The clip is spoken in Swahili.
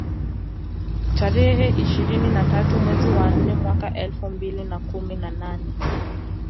Tarehe ishirini na tatu mwezi wa nane mwaka elfu mbili na kumi na nane